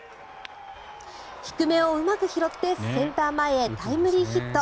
低めをうまく拾ってセンター前へタイムリーヒット。